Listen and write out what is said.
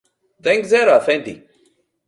Δεν ξέρω, Αφέντη.